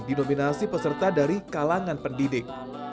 dinominasi peserta dari kalangan pendidik